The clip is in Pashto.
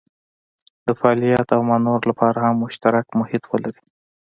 د فعالیت او مانور لپاره هم مشترک محیط ولري.